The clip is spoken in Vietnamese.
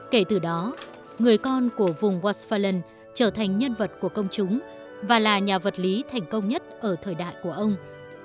kể từ đó người con của vùng wals fallen trở thành nhân vật của công chúng và là nhà vật lý thành công nhất ở thời đại của ông